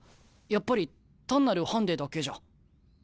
やっぱり単なるハンデだけじゃ。